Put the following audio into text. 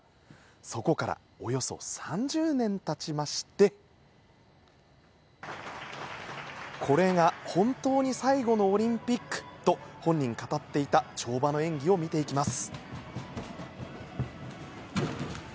そこからおよそ３０年経ちましてこれが本当に最後のオリンピックと本人語っていた跳馬の演技を見ていきます。